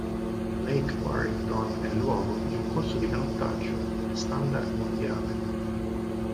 Lake Barrington è luogo di un corso di canottaggio standard mondiale.